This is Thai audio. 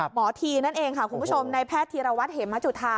ทีนั่นเองค่ะคุณผู้ชมในแพทย์ธีรวัตรเหมจุธา